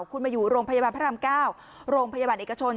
คุณมาอยู่โรงพยาบาลพระราม๙โรงพยาบาลเอกชน